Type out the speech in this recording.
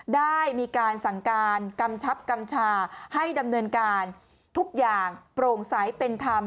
ได้มีการสั่งการกำชับกำชาให้ดำเนินการทุกอย่างโปร่งใสเป็นธรรม